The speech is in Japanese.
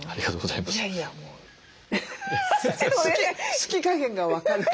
好き加減が分かる。